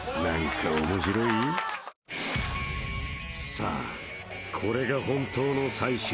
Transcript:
［さあこれが本当の最終戦］